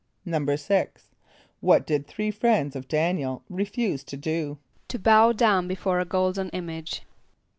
= =6.= What did three friends of D[)a]n´iel refuse to do? =To bow down before a golden image.